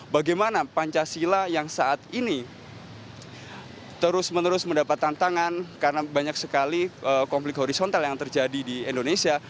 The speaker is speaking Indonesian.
bagaimana pancasila yang saat ini terus menerus mendapat tantangan karena banyak sekali konflik horizontal yang terjadi di indonesia